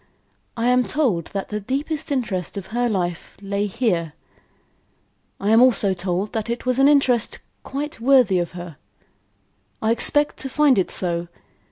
I am told that the deepest interest of her life lay here. I am also told that it was an interest quite worthy of her. I expect to find it so.